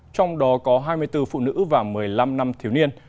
trong đó có hai mươi bốn phụ nữ và một mươi năm nam thiếu niên